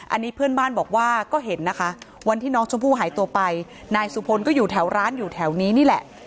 อันนี้เพื่อนบ้านบอกว่าก็เห็นนะคะวันที่น้องชมพู่หายตัวไปนายสุพลก็อยู่แถวร้านอยู่แถวนี้นี่แหละ